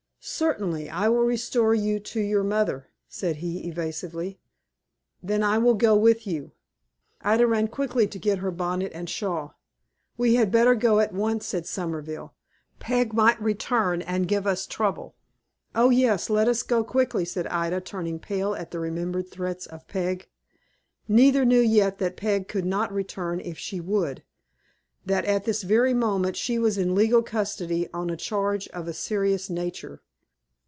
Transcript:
"Certainly, I would restore you to your mother," said he, evasively. "Then I will go with you." Ida ran quickly to get her bonnet and shawl. "We had better go at once," said Somerville. "Peg might return, and give us trouble." "O yes, let us go quickly," said Ida, turning pale at the remembered threats of Peg. Neither knew yet that Peg could not return if she would; that, at this very moment, she was in legal custody on a charge of a serious nature.